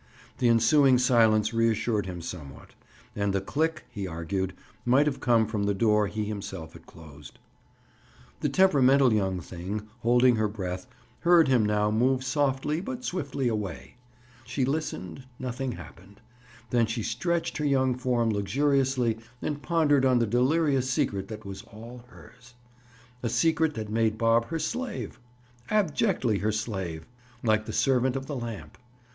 The ensuing silence reassured him somewhat; and the "click," he argued, might have come from the door he himself had closed. The temperamental young thing, holding her breath, heard him now move softly but swiftly away. She listened, nothing happened. Then she stretched her young form luxuriously and pondered on the delirious secret that was all hers. A secret that made Bob her slave! Abjectly her slave! Like the servant of the lamp!